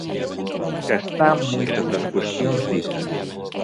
Xa están moitas das cuestións ditas.